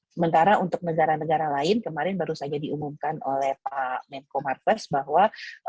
sementara untuk negara negara lain kemarin baru saja diumumkan oleh pak menko marves bahwa